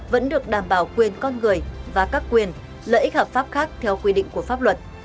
vẫn được đảm bảo quyền con người và các quyền lợi ích hợp pháp khác theo quy định của pháp luật